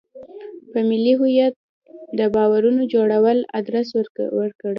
په ملي هویت د باورونو جوړولو ادرس ورکړي.